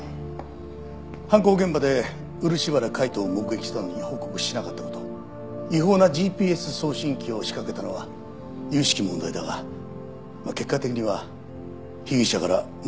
犯行現場で漆原海斗を目撃したのに報告しなかった事違法なＧＰＳ送信器を仕掛けたのは由々しき問題だが結果的には被疑者から目撃者を守った事になる。